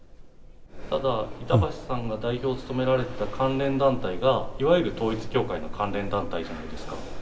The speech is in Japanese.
ただ、板橋さんが代表を務められていた関連団体が、いわゆる統一教会の関連団体じゃないですか。